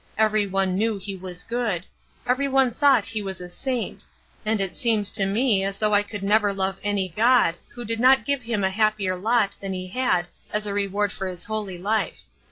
Every one knew he was good; every one thought he was a saint; and it seems to me as though I could never love any God who did not give him a happier lot than he had as a reward for his holy life.